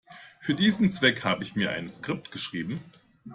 Für diesen Zweck habe ich mir ein Skript geschrieben.